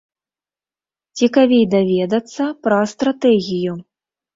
Цікавей даведацца пра стратэгію.